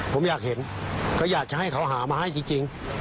ผมอยากเห็นก็อยากจะให้เขาหามาให้จริง